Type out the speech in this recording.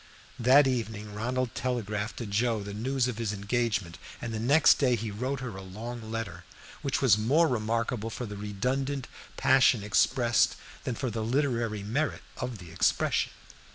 That evening Ronald telegraphed to Joe the news of his engagement, and the next day he wrote her a long letter, which was more remarkable for the redundant passion expressed than for the literary merit of the expression.